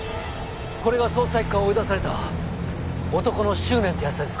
これが捜査一課を追い出された男の執念ってやつですか？